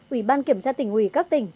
ủy ban kiểm tra tỉnh ủy các tỉnh